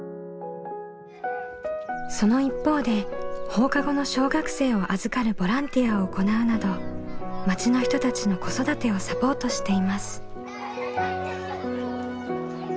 その一方で放課後の小学生を預かるボランティアを行うなど町の人たちの子育てをサポートしています。